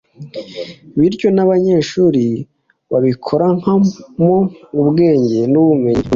bityo n’abanyeshuri bakabironkamo ubwenge n’ubumenyi bunyuranye